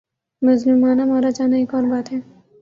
مظلومانہ مارا جانا ایک اور بات ہے۔